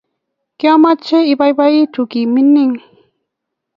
kiomeche ibaibaitu kiminik